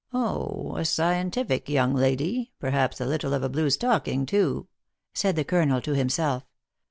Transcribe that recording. " Oh ! a scientific young lady perhaps a little of a blue stocking, too," said the colonel to himself.